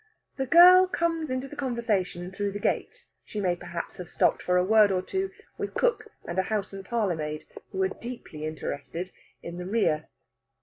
The girl comes into the conversation through the gate. She may perhaps have stopped for a word or two with cook and a house and parlourmaid, who are deeply interested, in the rear.